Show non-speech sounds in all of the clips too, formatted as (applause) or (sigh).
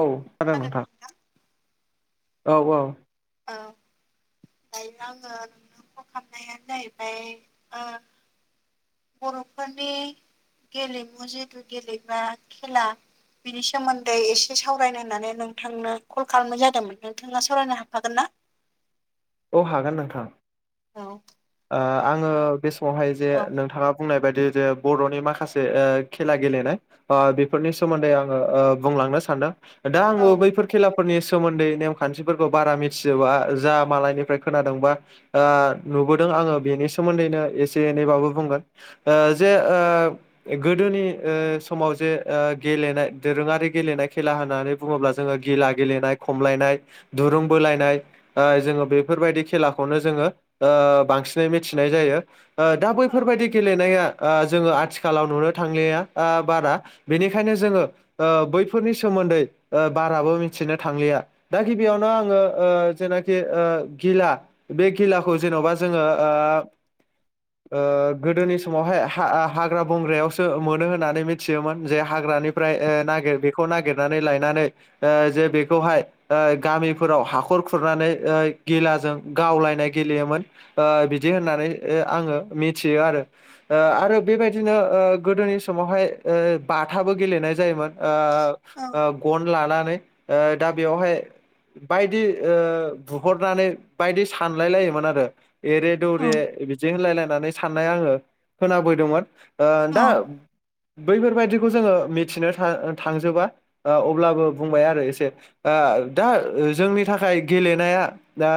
औ खोनादों नोंथां औ औ औ दायो आङो नोंनो फल खालामनायानो जाहैबाय ओ बर'फोरनि गेलेमु जिथु गेलेग्रा खेला बिनि सोमोन्दै एसे सावरायनो होननानै नोंथांनो कल खालामनाय जादोंमोन नोंथाङा सावरायनो हागोन ना? औ हागोन नोंथां। औ आङो औ बे समावहाय जे औ नोंथाङा बुंनाय बायदि जे बर'नि माखासे ओ खेला गेलेनाय अ बेफोरनि सोमोन्दै आङो ओ बुंलांनो सान्दों। दा आंबो बैफोर खेलाफोरनि सोमोन्दै नेमखान्थिफोरखौ बारा मिथिजोबा जा मालाय निफ्राय खोनादोंबा नुबोदों आङो बेनि सोमोन्दैनो एसे एनैबाबो बुंगोन। ओ जे ओ गोदोनि ओ समाव जे गेलेनाय दोरोङारि गेलेनाय खेला होननानै बुङोब्ला जोङो गेला गेलेनाय खमलायनाय दुरुं बोलायनाय जोङो बे फोरबायदि खेलाखौनो जोङो बांसिनै मिथिनाय जायो दा औ बैफोरबायदि गेलेनाया जोङो आथिखालाव नुनो थांनाया बारा बेनिखायनो जोङो बैफोरनि सोमोन्दै बाराबो मिथिनो थांलिया। दा गिबियावनो आङो ओ जेनाखि ओ घिला बे घिलाखौ जेन'बा जोङो ओ ओ गोदोनि समावहाय हा-हाग्रा बंग्रायावसो मोनो होननानै मिथियोमोन जे हाग्रानि ओमफ्राय नागिर बेखौ नागिरनानै लायनानै जे बेखौहाय गामिफोराव हाखर खुरनानै ओ गेलाजों गावलायनाय गेलेयोमोन ओ बिदि होननानै आङो मिथियो आरो ओ आरो बेबायदिनो ओ गोदोनि समावहाय ओ बाथाबो गेलेनाय जायोमोन। आ औ ओ गन लानानै ओ दा बेयावहाय बायदि ओ हरनानै बायदि सानलाय लायोमोन आरो एरे औ दौरे बिदि होनलायलायनानै साननाय आङो खोनाबोदोंमोन ओ औ दा बैफोरबायाददिखौ जोङो मिथिनो था- थांजोबा अब्लाबो बुंबाय आरो एसे दा जोंनि थाखाय गेलेनाया दा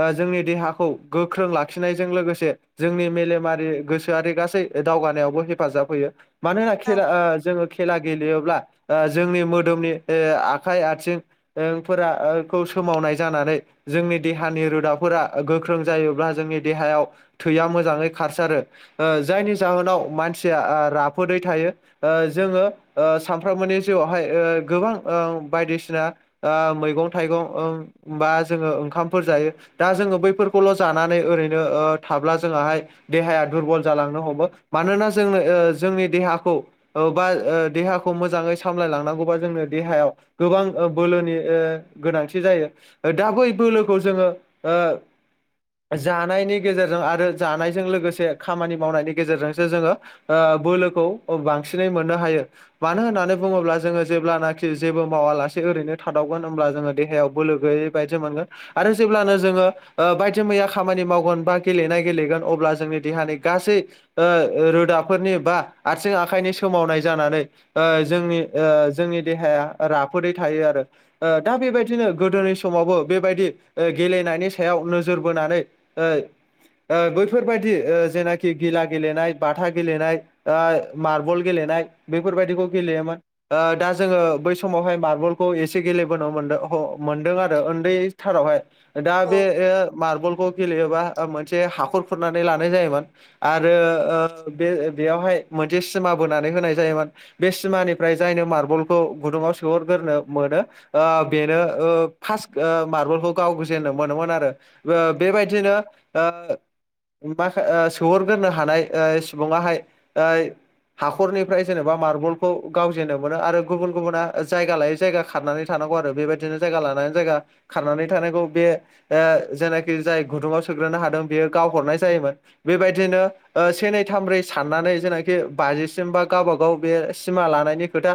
ओ जोंनि देहाखौ गोख्रों लाखिनायजों लोगोसे जोंनि मेलेमारि गोसोआरि गासै दावगानायावबो हेफाजाब होयो। मानोना औ खेला आ जोङो खेला गेलेयोब्ला ओ जोंनि मोदोमनि आखाइ आथिं ओ फोरखौ सोमावनाय जानानै जोंनि देहानि रोदाफोरा गोख्रों जायोब्ला जोंनि देहायाव थैया मोजाङै खारसारो जायनि जाहोनाव मानसिया राफोदै थायो। जोङो सानफ्रोमबोनि जिउआवहाय गोबां बायदिसिना मैगं थाइगं बा जोङो ओंखामफोर जायो दा जोङो बैफोरखौल' जानानै ओरैनो थाब्ला जोङाहाय देहाया दुरबल जालांनो हमो मानोना जोंनो जोंनि देहाखौ बा देहाखौ मोजाङै सामलायलांनांगौबा जोंनो देहायाव गोबां बोलोनि गोनांथि जायो। दा बै बोलोखौ जोङो ओ जानायनि गेजेरजों आरो जानायजों लोगोसे खामानि मावनायनि गेजेरजोंसो जोङो ओ बोलोखौ बांसिनै मोननो हायो। मानो होननानै बुङोब्ला जोङो जेब्लानाखि जेबो मावालासे ओरैनो थादावगोन होमब्ला जोङो देहायाव बोलो गैयै बायदि मोनगोन आरो जेब्लानो जोङो बायदि मैया खामानि मावगोन बा गेलेनाय गेलेगोन अब्ला जोंनि देहानि गासै रोदाफोरनि बा आथिं आखाइनि सोमावनाय जानानै जोंनि जोंनि देहाया राफोदै थायो आरो। दा बेबायदिनो गोदोनि सम समावबो बेबायदि गेलेनायनि सायाव नोजोर बोनानै बैफोरबायदि जेनाखि गिला गेलेनाय बाथा गेलेनाय मार्बल गेलेनाय बेफोरबायाददिखौ गेलेयोमोन। दा जोङो बै समावहाय मार्बलखौ एसे गेलेबोनो मोनदों मोनदों आरो न्दै सारावहाय दा बे मारबलखौ गेलेयोबा मोनसे हाखर खुरनानै लानाय जायोमोन। आरो बे बेयावहाय मोनसे सिमा बोनानै होनाय जायोमोन। बे सिमानिफ्राय जायनो मार्बलखौ गुदुंङाव सहरग्रोनो मोनो बेनो फास मार्बलखौ गाव गोजेननो मोनोमोन आरो ओ बेबायदिनो ओ मा सोहरग्रोनो हानाय सुबुङा हाय हाखरनिफ्राय जेनेबा मार्बलखौ गावजेनो मोनो आरो गुबुन गुबुना जायगा लायै जायगा खारनानै थानांगौ आरो बेबायदिनो जायगा लानानै जायगा खारनानै थानायांगौ बे ओ जेनाखि जाय गुदुङाव सोग्रोनो हादों बेयो गावहरनाय जायोमोन बेबायदिनो से नै थामब्रै साननानै जेनाखि बाजिसिम बा गावबागाव बे सिमा लानायनि खोथा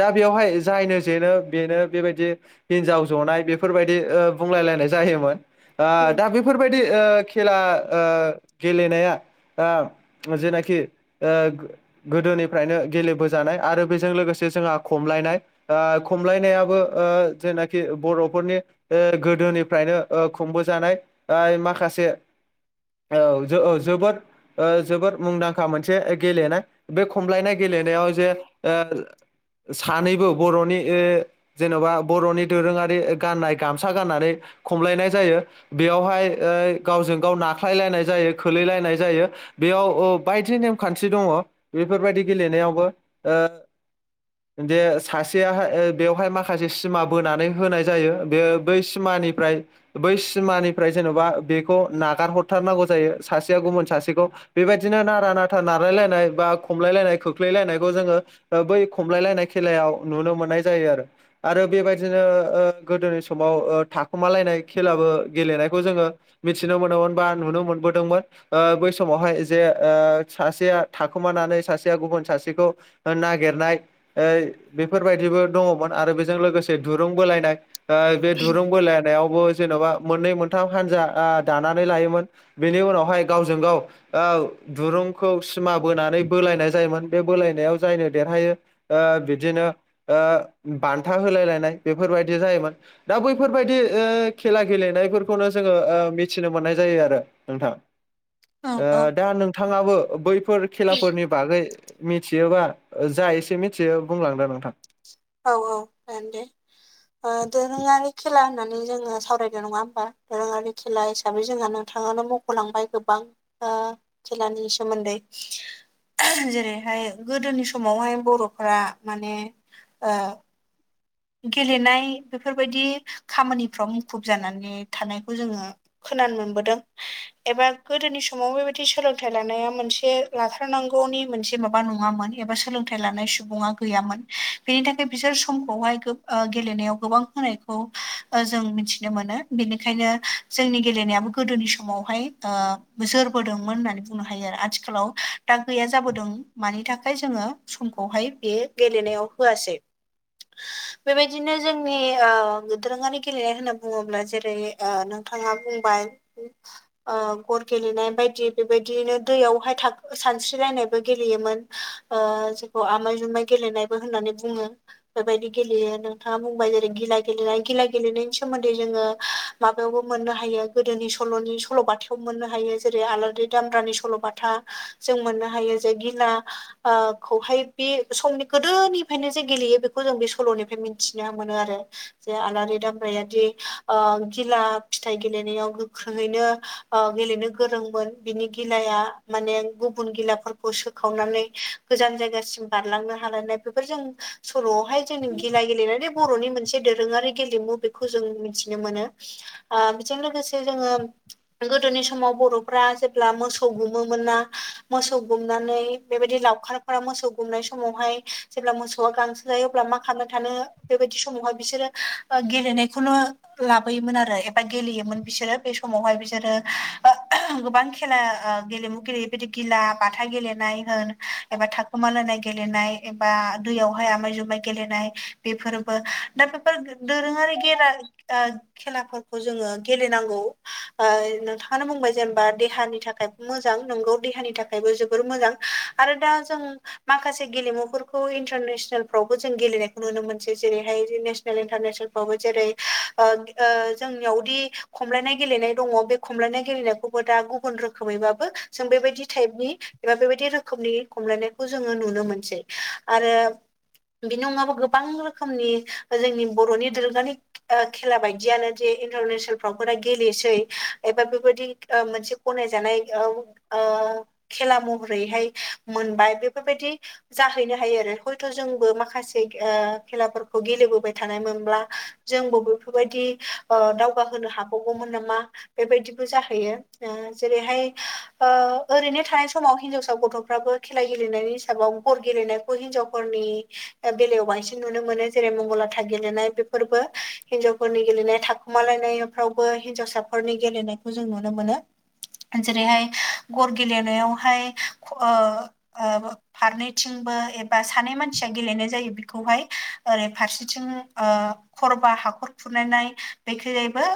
दा बेवहाय जायनो जेनो बेनो बेबायदि हिनजाव जनाय बेफोरबायदि बुंलायायनाय जायोमोन दा बे बेफोरबायदि ओ खेला ओ गेलेनाया आ जेनाखि आ गोदोनिफ्रायनो गेलेबोजानाय आरो बेजों लोगोसे जोंहा खमलायनाय ओ खमलायनायाबो ओ जेनाख ि बर'फोरनि गोदोनिफ्रायनो खुंबोजानाय ओ माखासे औ ज औ जोबोद ओ जोबोद मुंदांखा मोनसे गेलेनाय बे खमलायनाय गेलेनायाव जे सानैबो बर'नि जेन'बा बर'नि दोरोङारि गाननाय गामसा गाननानै खमलायनाय जायो बेयावहाय गावजों गाव नाख्लायलायनाय जायो खोलैलायनाय जायो। बेयाव बायदि नेमखान्थि दङ बेफोरबायदि गेलेनायावबो ओ दे सासेयााय बेवहाय माखासे सिमा बोनानै होनाय जायो बे बै सिमानिफ्राय बै सिमानिफ्राय जेन'बा बेखौ नागार हरथारनांगौ जायो सासेया गुबुन सासेखौ बेबायदिनो नारा नाथा नारलायलायनाय बा खमलायलायनाय खोख्लैलायनायखौ जोङो बै खमलायलायनाय खेलायाव नुनो मोननाय जायो आरो आरो बेबायदि बिदिनो गोदोनि समाव थाखुमालायनाय खेलाबो गेलेनायखौ जोङो मिथिनो मोनोमोन बा नुनो मोनबोदोंमोन। बै समावहाय जे सासेया थाखोमानानै सासेया गुबुन सासेखौ नागिरनाय बेफोरबायदिबो दङमोन आरो बेजों लोगोसे दुरुं बोलायनाय बे दुरुं बोलायनायावबो जेन'बा मोननै मोनथाम हानजा दानानै लायोमोन बेनि उनावहाय गावजों गाव दुरुंखौ सिमा बोनानै बोलायनाय जायोमोन बे बोलायनायाव जायनो देरहायो ओ बिदिनो बान्था होलाय लायनाय बेफोरबायदि जायोमोन दा बैफोरबायदि खेला गेलेनायफोरखौनो जोङो मिथिनो मोननाय जायो आरो। नोंथां औ दा नोंथाङाबो बैफोर खेलाफोरनि बागै मिथियोबा जा एसे मिथियो बुंलांद नोंथांं? औ औ जागोन दे दोरोङारि खेला होननानै जोङो सावराय नङा होमबा दोरोङारि खेला हिसाबै जोंहा नोंथाङावनो मख'लांबाय गोबां। आ खेलानि सोमोन्दै जेरैहाय गोदोनि समावहाय बर'फ माने आ गेलेनाय बेफोरबायदि खामानिफ्राव मुखुब जानानै थानायखौ जोङो खोनानो मोनबोदों। एबा गोदोनि समाव बेबायदि सोलोंथाइ लानाया मोनसे लाथारनांगौनि मोनसे माबा नङामोन। एबा सोलोंथाइ लानाय सुबुङा गैयामोन बेनि थाखाय बिसोर समखौहाय गेलेनायाव गोबां होनायखौ जों मिथिनो मोनो बेनिखायनो जोंनि गेलेनायाबो गोदोनि समावहाय जोरबोदोंमोन होननानै बुंनो हायो आरो आथिखालाव दा गैया जाबोदों मानि थाखाय जोङो समखौहाय बे गेलेनायाव होआसै। (inaudible) बेबायदिनो जोंनि दोरोङारि गेलेनाय होनना बुङोब्ला जेरै ओ नों नथाङा बुंबाय। गर गेलेनाय बायदि बेबायदिनो दैयावहाय सानस्रिलायनायबो गेलेयोमोन ओ जोंखौ आमाय जुमाइ गेलेनायबो होननानै बुङो बेबायदि गेलेयो। नोंथाङा बुंबाय जेरै गिला गेलेनाय गिला गेलेनायनि सोमोन्दै जोङो माबायावबो मोननो हायो। गोदोनि सल'नि सल'बाथायाव मोननो हायो जेरै आलारि दामब्रानि सल'बाथा। जों मोननो हायो जे गिना खौहाय बे समनि गोदोनिफ्रायनो जे गेलेयो बेखौ जों बे सल'निफ्राय मिथि मिथिनो मोनो आरो। जे आलारि दामब्रायाद ओ गिला फिथाइ गेलेनायाव गोख्रोङैनो ओ गेलेनो गोरोंमोन बिनि गिलाया माने गुबुन गिलाफोरखौ सोखावनानै गोजान जायगासिम बारलांनो हालायनाय बेफोर जों सल'आवहाय जों गेल मे बर'नि मोनसे दोरोङारि गेलेमु बेखौ जों मिथिनो मोनो। बेजों लोगोसे जोङो गोदोनि समाव बर'फ्रा जेब्ला मोसौ गुमोमोन ना मोसौ गुमनानै बेबायदि लावखारफोरा मोसौ गुमनाय समावहाय जेब्ला मोसौआ गांसो जायो अब्ला मा खालामनो थानो बेबायदि समावहाय बिसोरो ओ गेलेनायखौनो लाबोयोमोन आरो एबा गेलेयोमोन बिसोरो बे समावहाय बिसोरो गोबां खेला गेलेमु गेलेबायदि गिला बाथा गेलेनाय होन एबा थाखोमाल होनाय गेलेनाय एबा दैयावहाय आमाय जुमाय गेलेनाय बेफोरबो दा बेफोर दोरोङारि गेरा ओ खेलाफोरखौ जोङो गेलेनांगौ। ओ नोंथाङानो बुंबाय जेनेबा देहानि थाखाय मोजां नंगौ देहानि थाखायबो जोबोर मोजां। आरो दा जों माखासे गेलेमुफोरखौ इन्टारनेसनेलफ्रावबो जों गेलेनाय नुनो मोनसै जेरैहाय नेसनेल इन्टारनेसनेलफ्रावबो जेरै ओ जोंनियावदि खमलायनाय गेलेनाय दङ बे खमलायनाय गेलेनायखौबो दा गुबुन रोखोमैबाबो जों बेबायदि टाइपनि एबा बेबायदि रोखोमनि खमलायनायखौ जोङो नुनो मोनसै आरो बेनि अनगाबो गोबां रोखोमनि जोंनि बर'नि दोरोङारि खेला बायदियानो जे इन्टारनेसनेल फावफोरा गेलेसै एबा बेबायदि मोनसे गनायजानाय ओ खेला महरैहाय मोनबाय बेफोरबायदि जाहैनो हायो आरो हयथ' जोंबो माखासे ओ खेला खौ गेलेबोबाय थानायमोनब्ला जोंबो बेफोरबायदि ओ दावगाहोनो हाबावगौमोन नामा बेबायदिबो जाहैयो। जेरैहाय ओ ओरैनो थानाय समाव हिनजावसा गथ'फ्राबो खेला गेलेनायनि हिसाबाव खिखर गेलेनायखौ हिनजावफोरनि बेलायाव बांसिन नुनो मोनो जेरै मंगललाथा गेलेनाय बेफोरबो हिनजावफोरनि गेलेनाय था खमालायनायफ्रावबो हिन्जावसाफोरनि गेलेनायखौ जों नुनो मोनो। जेरैहाय गर गेलेनायावहाय ओ ओ फारनैथिंबो एबा सानै मानसिया गेलेनाय जायो बेहाय ओरै फारसेथिं ओ खरबा हाखर फुरनाय बेखायबो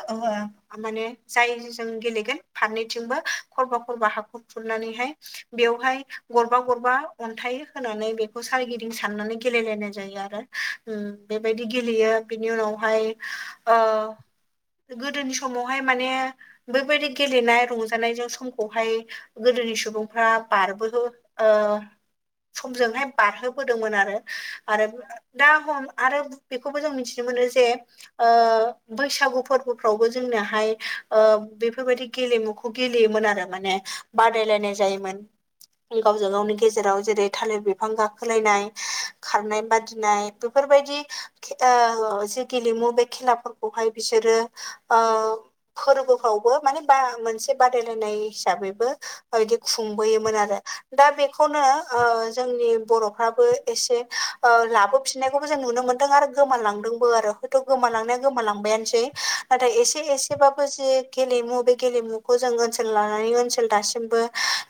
माने जाय जों गेलेगोन फारनैथिंबो खरबा खरबा हाखर खुरनानैहाय बेवहाय गरबा गरबा अन्थाइ होनानै बेखौ सोरारिगिदिं साननानै गेलेलायनाय जायो आरो बेबायदि गेलेयो बिनि उनावहाय ओ गोदोनि समावहाय माने बेबायदि गेलेनाय रंजानायजों समखौहाय गोदोनि सुबुंफ्रा बारबो ओ समजोंहाय बारहोबोदोंमोन आरो। आरो दा हम आरो बेखौबो जों मिथिनो मोनो जे ओ बैसागु फोरबोफ्रावबो जोंनोहाय ओ बेफोरबायदि गेलेमुखौ गेलेयोमोन आरो माने बादायलायनाय जायोमोन। गावजों गावनि गेजेराव जेरै थालिर बिफां गाखोलायनाय खारनाय बादिनाय बेफोरबायदि ओ जि गेलेमु बे खेलाफोरखौहाय बिसोरो ओ फोरबोफ्रावबो माने बा मोनसे बादायलायनाय हिसाबैबो बिदि खुंबोयोमोन आरो दा बेखौनो ओ जोंनि बर'फ्राबो एसे ओ लाबोफिननायखौबो जों नुनो मोन्दों आरो गोमालांदोंबो आरो हयथ' गोमालांनाया गोमालांबायानोसै। नाथाय एसे एसेबाबो जि गेलेमु बे गेलेमुखौ जों ओनसोल लानानै ओनसोल दासिमबो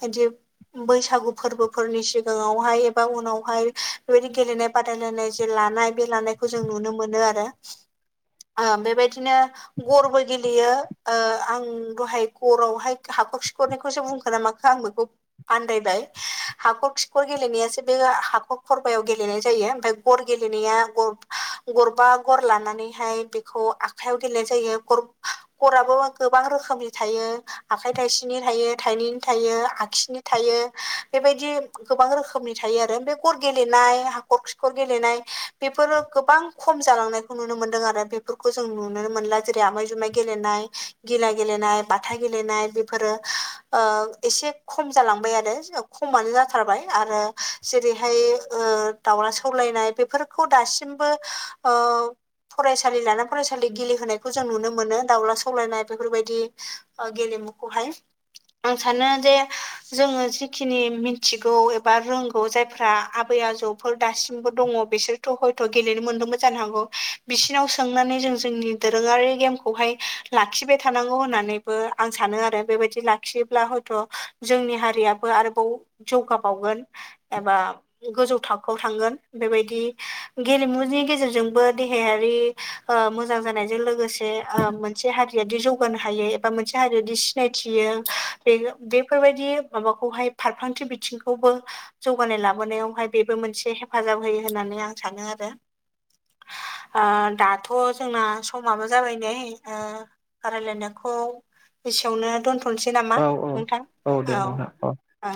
बिदि बैसागु फोरबोफोरनि सिगाङावहाय एबा उनावहाय बेबायदि गेलेनाय बादायलायनाय जे लानाय बे लानायखौ जों नुनो मोनो आरो। ओ बेबायदिनो गरबो गेलेयो ओ आं दहाय गरावहाय हाखर खिखरनायखौसो बुंखो ना मा आं बेखौ आनदायबाय हाखर खिखर गेलेनायासो बे हाखर खरबायाव गेलेनाय जायो ओमफफ्राय गर गेलेनाया गरबा गर लानानैहाय बेखौ आखायाव गेलेनाय जायो खराबो गोबां रोखोमनि थायो। आखाइ थाइसेनि थायो थाइनैनि थायो आगसिनि थायो बेबायदि गोबां रोखोमनि थायो आरो हखर गेलेनाय हाखर खिखर गेलेनाय बेफोरो गोबां खम जालांनायखौ नुनो मोन्दों आरो बे फोरफोरखौ जों नुनो मोनला जेरै आमाय जुमाय गेलेनाय गिला गेलेनाय बाथा गेलेनाय बेफोरो ओ एसे खम जालांबाय आरो। खमानो जाथारबाय आरो जेरै बेहाय ओ दाउला सौलायनाय बेफोरखौ दासिमबो अ फरायसालि लाना फरायसालि गेलेहोनायखौ जों नुनो मोनो दाउला सौलायनाय बेफोरबायदि आ गेल मुखौहाय आं सानो जे जोङो जिखिनि मिथिगौ एबा रोंगौ जाय जफ्रा आबै आजौफोर दासिमबो दङ बिसोरथ' हयथ' गेलेनो मोनदोंबो जानो हागौ। बिसिनाव सोंनानै जों जोंनि दोरोङारि गेमखौहाय लाखिबाय थानांगौ होननानै। आं सानो आरो बेबायदि लाखियोब्ला हयथ' जोंनि हारियाबो आरोबाव जौगाबावगोन एबा गोजौ थाखोआव थांगोन बेबायदि गेलेमुनि गेजेरजोंबो देहायारि ओ मोजां जानायजों लोगोसे जे मोनसे हारियादि जौगानो हायो एबा मोनसे हारियादि सिनायथियो। बे बेफोरबायदि माबाखौहाय फारखांथि बिथिंखौबो जौगानाय लाबोनायावहाय बेबो मोनसे हेफाजाब होयो होननानै आं सानो आरो। ओ दाथ' जोंना समाबो जाबाय नै रायलायनायखौ बेसेयावनो दोनथ'नोसै नामा औ औ नोंथां औ आ